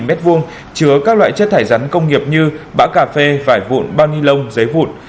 ba m hai chứa các loại chất thải rắn công nghiệp như bã cà phê vải vụn bao nhi lông giấy vụn